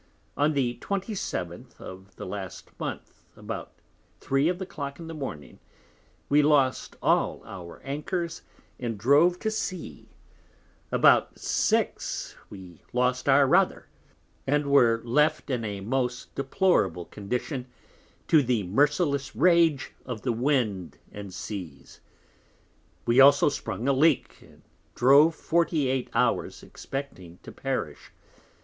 On the 27th of the last Month, about Three of the Clock in the Morning, we lost all our Anchors and drove to Sea: about Six we lost our Rother, and were left in a most deplorable condition to the merciless Rage of the Wind and Seas: we also sprung a Leak, and drove 48 Hours expecting to perish.